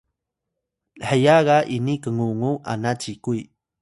heya ga ini kngungu ana cikuy